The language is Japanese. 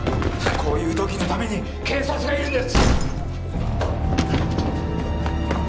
こういう時のために警察がいるんです！